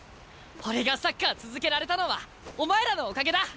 俺がサッカー続けられたのはお前らのおかげだ！